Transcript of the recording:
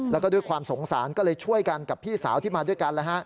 แล้วก็ด้วยความสงสารก็เลยช่วยกันกับพี่สาวที่มาด้วยกัน